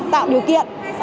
tạo điều kiện